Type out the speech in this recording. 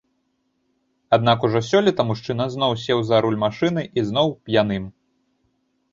Аднак ужо сёлета мужчына зноў сеў за руль машыны і зноў п'яным.